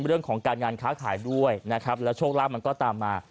เรื่องของการงานค้าขายด้วยนะครับแล้วโชคลาภมันก็ตามมา